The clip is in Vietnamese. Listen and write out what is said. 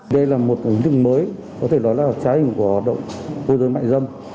đây là một hình thức mới có thể nói là trái hình của hoạt động môi giới mại dâm